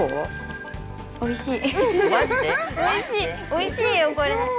おいしいよこれ。